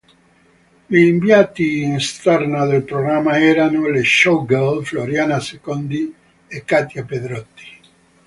Gli inviati in esterna del programma erano le showgirl Floriana Secondi e Katia Pedrotti.